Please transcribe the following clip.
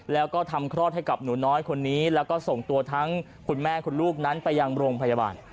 แล้วก็ทำคลอดให้กับหนูน้อยคนนี้แล้วก็ส่งตัวทั้งคุณแม่คุณลูกนั้นไปยังโรงพยาบาล